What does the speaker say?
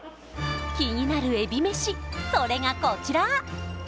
気になるえびめしそれがこちら！